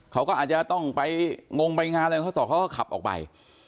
เขาก็อาจจะต้องไปงงไปงานอะไรของเขาต่อเขาก็ขับออกไป